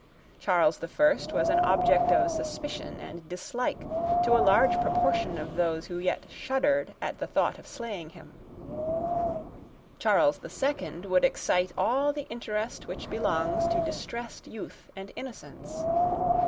Charles the First was an object of suspicion and dislike to a large proportion of those who yet shuddered at the thought of slaying him: Charles the Second would excite all the interest which belongs to distressed youth and innocence.